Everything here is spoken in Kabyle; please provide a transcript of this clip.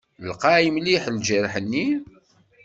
Lqay mliḥ ljerḥ-nni?